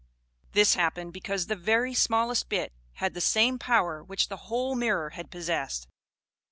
This happened because the very smallest bit had the same power which the whole mirror had possessed.